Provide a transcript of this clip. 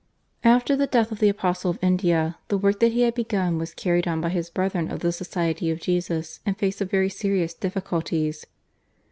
After the death of the Apostle of India the work that he had begun was carried on by his brethren of the Society of Jesus in face of very serious difficulties.